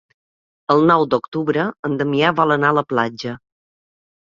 El nou d'octubre en Damià vol anar a la platja.